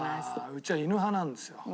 うちは犬派なんですよ。